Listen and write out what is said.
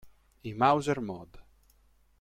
I Mauser mod.